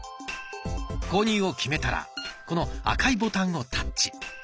購入を決めたらこの赤いボタンをタッチ。